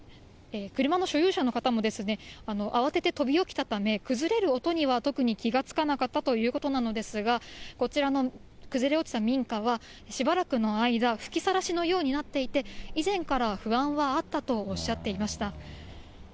車の所有者の方も、慌てて飛び起きたため、崩れる音には特に気がつかなかったということなのですが、こちらの崩れ落ちた民家は、しばらくの間、吹きさらしのようになっていて、以前から不安はあったとおっしゃっていました。